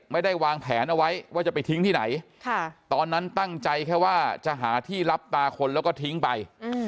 ไม่ได้วางแผนเอาไว้ว่าจะไปทิ้งที่ไหนตอนนั้นตั้งใจแค่ว่าจะหาที่รับตาคนแล้วก็ทิ้งไป